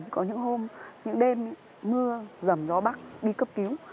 có những hôm những đêm mưa dầm gió bắc đi cấp cứu